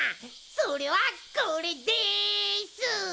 それはこれです！